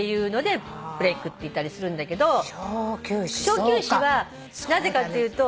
小休止はなぜかっていうと。